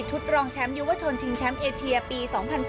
รองแชมป์ยุวชนชิงแชมป์เอเชียปี๒๐๑๙